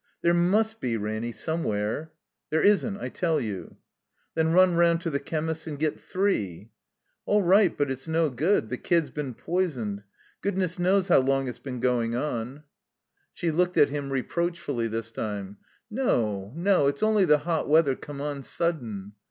"There must be, Ranny, somewhere." "There isn't, I tell you." Then run round to the chemist's and get three.*' All right, but it's no good. The kid's been poisoned. Goodness knows how long it's been going on. 172 THE COMBINED MAZE She looked at him, reproachfully, this time. "No, no; it's only the hot weather come on Sttdden."